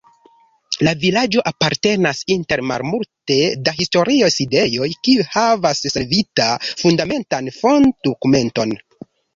La vilaĝo apartenas inter malmulte da historiaj sidejoj, kiuj havas konservita fundamentan fondo-dokumenton.